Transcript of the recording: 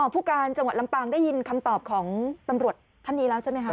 ผู้การจังหวัดลำปางได้ยินคำตอบของตำรวจท่านนี้แล้วใช่ไหมคะ